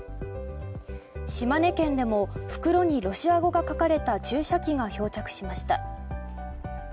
島根県でも袋にロシア語が書かれた注射器が漂着しました。